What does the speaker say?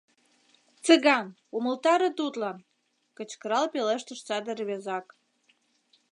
— Цыган, умылтаре тудлан! — кычкырал пелештыш саде рвезак.